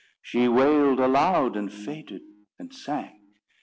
She wailed aloud, and faded, and sank.